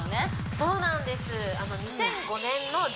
そうなんですうわ！